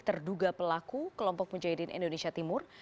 terduga pelaku kelompok mujahidin indonesia timur